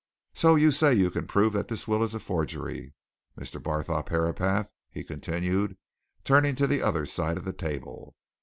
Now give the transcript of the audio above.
So you say you can prove that this will is a forgery, Mr. Barthorpe Herapath?" he continued, turning to the other side of the table.